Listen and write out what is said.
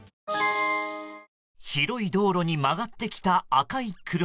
広い道路に曲がってきた赤い車。